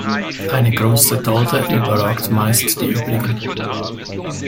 Eine große Dolde überragt meist die übrigen.